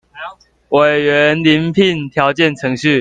委員遴聘條件程序